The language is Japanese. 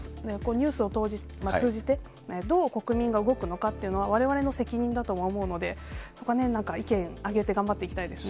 ニュースを通じて、どう国民が動くのかっていうのは、われわれの責任だとは思うので、そこは意見上げて、頑張っていきたいですね。